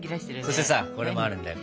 そしてさこれもあるんだよ